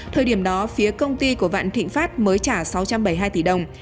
thời điểm đó phía công ty của vạn thịnh pháp mới trả sáu trăm bảy mươi hai tỷ đồng